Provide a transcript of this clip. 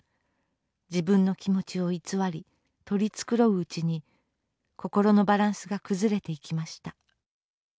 自分の気持ちを偽り取り繕ううちに心のバランスが崩れていきました。